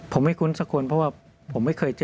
ผมไม่คุ้นสักคนเพราะว่าผมไม่เคยเจอ